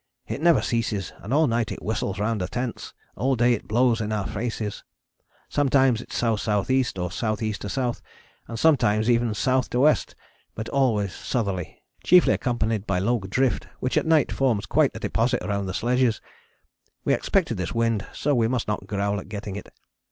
It never ceases, and all night it whistles round the tents, all day it blows in our faces. Sometimes it is S.S.E., or S.E. to S., and sometimes even S. to W., but always southerly, chiefly accompanied by low drift which at night forms quite a deposit round the sledges. We expected this wind, so we must not growl at getting it.